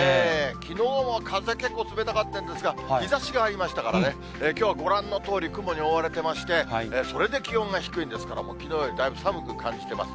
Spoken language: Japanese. きのうも風、結構冷たかったんですが、日ざしがありましたからね、きょうはご覧のとおり、雲に覆われてまして、それで気温が低いんですから、もうきのうよりだいぶ寒く感じてます。